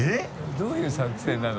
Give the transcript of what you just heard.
どういう作戦なの？